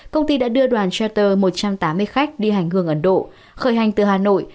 công ty đã đưa đoàn twuter một trăm tám mươi khách đi hành hương ấn độ khởi hành từ hà nội